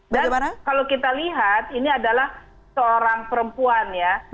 dan kalau kita lihat ini adalah seorang perempuan ya